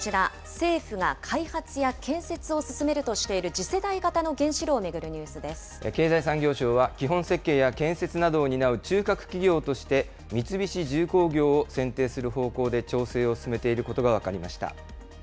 政府が開発や建設を進めるとしている、次世代型の原子炉を巡るニ経済産業省は、基本設計や建設などを担う中核企業として、三菱重工業を選定する方向で調整を進めていることが分かりました。